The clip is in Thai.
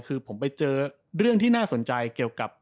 คือผมไปเจอเรื่องที่น่าสนใจเกี่ยวกับ